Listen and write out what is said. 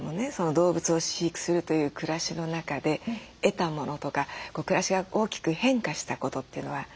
動物を飼育するという暮らしの中で得たものとか暮らしが大きく変化したことというのは何なんでしょうか？